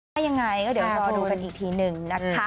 ถ้ายังไงก็เดี๋ยวรอดูกันอีกทีหนึ่งนะคะ